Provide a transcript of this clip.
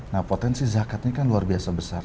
nah potensi zakatnya kan luar biasa besar